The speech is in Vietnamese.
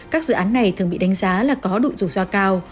các dự án này thường bị đánh giá là có độ dù do cao